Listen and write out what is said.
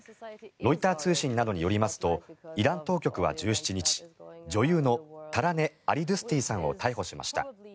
ロイター通信などによりますとイラン当局は１７日女優のタラネ・アリドゥスティさんを逮捕しました。